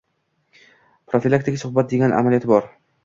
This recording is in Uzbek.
«profilaktik suhbat» degan amaliyoti bor.